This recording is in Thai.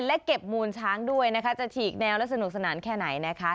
และเก็บมูลช้างด้วยนะคะจะฉีกแนวและสนุกสนานแค่ไหนนะคะ